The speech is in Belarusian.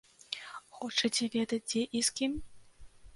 Хочаце ведаць дзе і з кім?